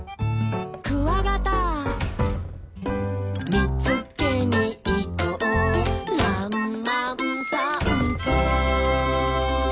「みつけにいこうらんまんさんぽ」